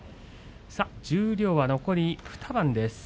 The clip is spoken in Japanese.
十両は残り２番です。